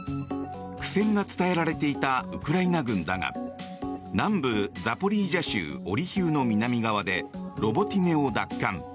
苦戦が伝えられていたウクライナ軍だが南部ザポリージャ州オリヒウの南側でロボティネを奪還。